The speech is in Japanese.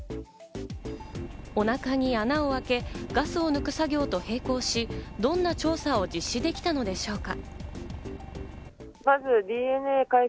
お腹に穴をあけ、ガスを抜く作業と並行し、どんな調査が実施できたのでしょうか？